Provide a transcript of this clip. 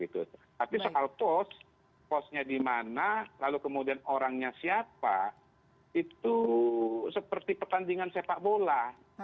tapi soal pos posnya di mana lalu kemudian orangnya siapa itu seperti pertandingan sepak bola